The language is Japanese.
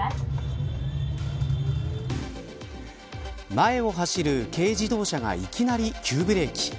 前を走る軽自動車がいきなり急ブレーキ。